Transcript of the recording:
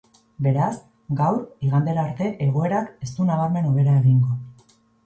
Beraz, gaur, igandera arte egoerak ez du nabarmen hobera egingo.